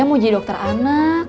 saya mau jadi dokter anak